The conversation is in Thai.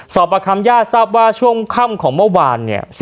ประคัมญาติทราบว่าช่วงค่ำของเมื่อวานเนี่ย